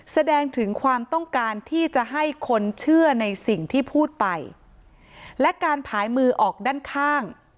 แสดงถึงความต้องการที่จะให้คนเชื่อในสิ่งที่พูดไปและการผายมือออกด้านข้าง